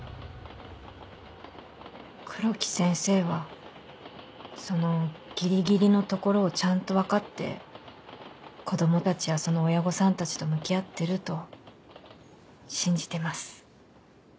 黒木先生はそのギリギリの所をちゃんと分かって子供たちやその親御さんたちと向き合ってると信じてます。